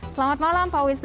selamat malam pak wisnu